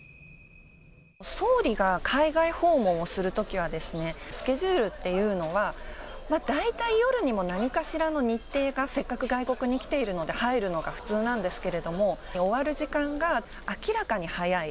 総理が海外訪問をするときはですね、スケジュールっていうのは、大体夜にも何かしらの日程がせっかく外国に来ているので、入るのが普通なんですけれども、終わる時間が明らかに早い。